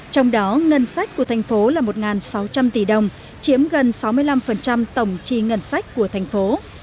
trong đó ngân sách của thành phố là một sáu trăm linh tỷ đồng chiếm gần sáu mươi năm tổng chi ngân sách của thành phố